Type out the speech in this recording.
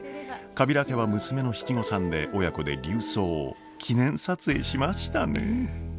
カビラ家は娘の七五三で親子で琉装を記念撮影しましたねえ。